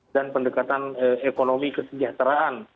dan pendekatan ekonomi kesejahteraan